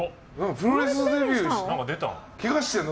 プロレスデビューしたの？